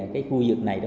cái khu vực này